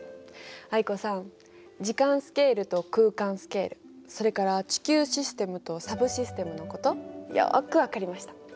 藍子さん時間スケールと空間スケールそれから地球システムとサブシステムのことよく分かりました。